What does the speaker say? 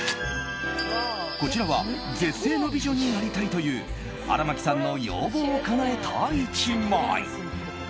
こちらは絶世の美女になりたいという荒牧さんの要望をかなえた１枚。